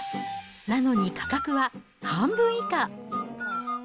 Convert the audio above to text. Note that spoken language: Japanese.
なのに価格は半分以下。